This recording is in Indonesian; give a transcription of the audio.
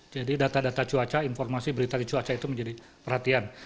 jadi data data cuaca informasi berita di cuaca itu menjadi perhatian